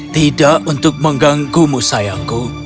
tidak untuk mengganggumu sayangku